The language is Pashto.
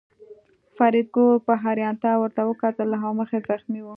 فریدګل په حیرانتیا ورته کتل او مخ یې زخمي و